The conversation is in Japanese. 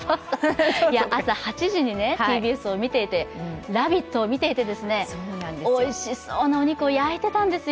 朝８時にＴＢＳを見ていて「ラヴィット！」を見ていてですね、おいしそうなお肉を焼いてたんですよ。